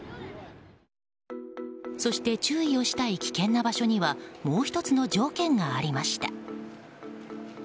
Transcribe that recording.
そして、注意をしたい危険な場所にはもう１つの条件がありました。